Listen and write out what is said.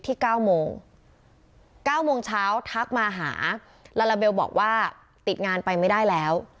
ที่๙โมง๙โมงเช้าทักมาหาลาลาเบลบอกว่าติดงานไปไม่ได้แล้ว